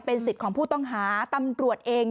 สิทธิ์ของผู้ต้องหาตำรวจเอง